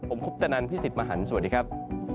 ผมคุปตะนันพี่สิทธิ์มหันฯสวัสดีครับ